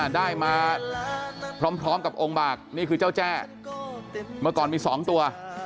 ได้มาพร้อมกับองค์บากนี่คือเจ้าแจ้เมื่อก่อนมี๒ตัว